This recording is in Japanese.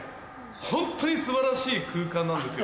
ホントに素晴らしい空間なんですよ。